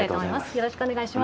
よろしくお願いします。